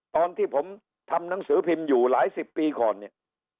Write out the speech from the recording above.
ตอนที่ผมทำหนังสือพิมพ์อยู่หลายสิบปีก่อนเนี่ย